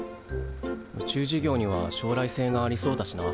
宇宙事業には将来性がありそうだしな。